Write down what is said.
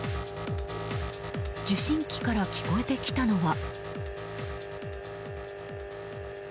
受信機から聞こえてきたのは。